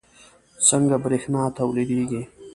څنګه بریښنا تولیدیږي